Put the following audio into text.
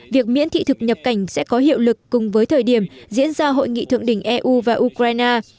việc miễn thị thực nhập cảnh sẽ có hiệu lực cùng với thời điểm diễn ra hội nghị thượng đỉnh eu và ukraine